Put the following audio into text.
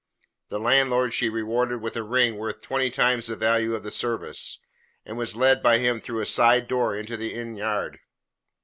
The landlord she rewarded with a ring worth twenty times the value of the service, and was led by him through a side door into the innyard.